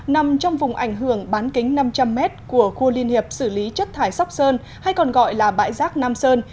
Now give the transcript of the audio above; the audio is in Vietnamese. nằm trong vùng ảnh hưởng bán kính năm trăm linh m của khu liên hiệp xử lý chất thải sóc sơn hay còn gọi là bãi rác nam sơn